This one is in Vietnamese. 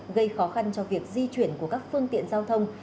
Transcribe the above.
gây khó khăn cho việc di chuyển của các phương tiện giao thông